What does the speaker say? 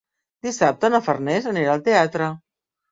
Dissabte na Farners anirà al teatre.